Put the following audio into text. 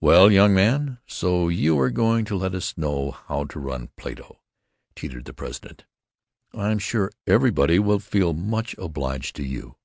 "Well, young man, so you are going to let us know how to run Plato," teetered the president. "I'm sure everybody will feel much obliged to you."